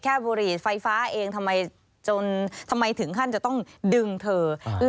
บุหรี่ไฟฟ้าเองทำไมจนทำไมถึงขั้นจะต้องดึงเธอ